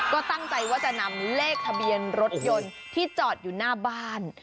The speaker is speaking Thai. ก็ตั้งใจว่าจะนำเลขทะเบียนรถยนต์ที่จอดอยู่หน้าบ้าน